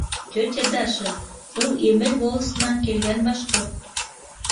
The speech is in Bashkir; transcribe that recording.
— Тетя Даша, ул Имел волосынан килгән башҡорт.